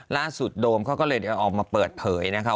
ล่าสุดโดมเขาก็เลยออกมาเปิดเผยนะคะ